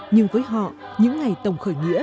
nhưng với họ những ngày tổng khởi nghĩa